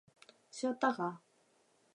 쉬었다 가